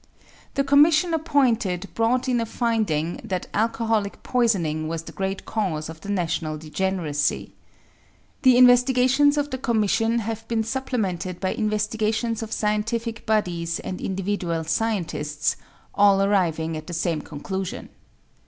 The commission appointed brought in a finding that alcoholic poisoning was the great cause of the national degeneracy. The investigations of the commission have been supplemented by investigations of scientific bodies and individual scientists, all arriving at the same conclusion.